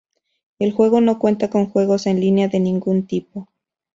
El juego no cuenta con juegos en línea de ningún tipo.